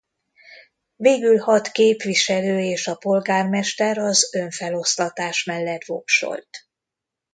Végül hat képviselő és a polgármester az önfeloszlatás mellett voksolt.